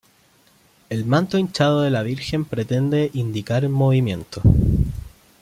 El manto hinchado de la Virgen pretende indicar movimiento.